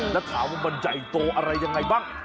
แล้วถามว่ามันใหญ่โตอะไรยังไงบ้าง